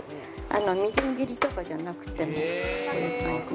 みじん切りとかじゃなくてこういう感じね。